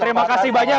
terima kasih banyak